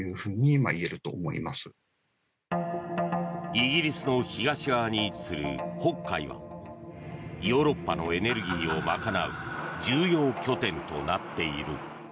イギリスの東側に位置する北海はヨーロッパのエネルギーを賄う重要拠点となっている。